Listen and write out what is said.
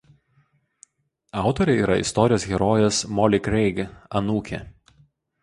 Autorė yra istorijos herojės Molly Craig anūkė.